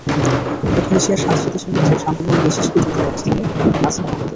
দক্ষিণ এশিয়ার সাতটি দেশের মধ্যে শান্তিপূর্ণ দেশ হিসেবে তৃতীয় অবস্থানে আছে বাংলাদেশ।